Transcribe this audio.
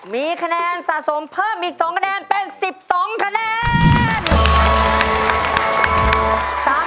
มีคะแนนสะสมเพิ่มอีก๒คะแนนเป็น๑๒คะแนน